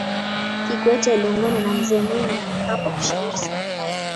kikwete aliungana na mzee mwinyi na mkapa kushauri serikali